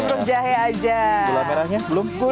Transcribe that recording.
gula merahnya belum